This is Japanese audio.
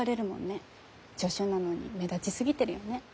助手なのに目立ちすぎてるよね。